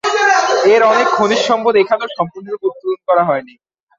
এর অনেক খনিজ সম্পদ এখনও সম্পূর্ণরূপে উত্তোলন করা হয়নি।